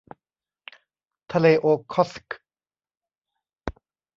ทะเลโอค็อตสค์